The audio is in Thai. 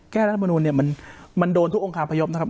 แก้รัฐมนุนเนี้ยมันมันโดนทุกองค์คารพยพนะครับ